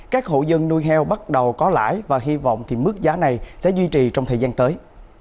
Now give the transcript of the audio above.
các hộ dân nuôi heo bắt đầu có lãi và hy vọng thì mức giá này sẽ duy trì trong thời gian tới